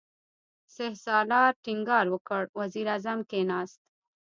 سپهسالار ټينګار وکړ، وزير اعظم کېناست.